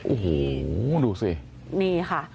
โอ้โหดูสิ